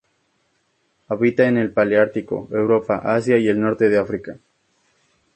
Habita en el paleártico: Europa, Asia y el norte de África.